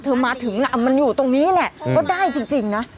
มาถึงมันอยู่ตรงนี้แหละก็ได้จริงนะ